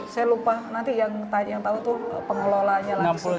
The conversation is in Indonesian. saya lupa nanti yang tahu tuh pengelolaannya langsung